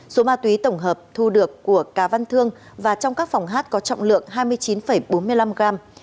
số ma túy tổng hợp thu được của cá văn thương và trong các phòng hát có trọng lượng hai mươi chín bốn mươi năm gram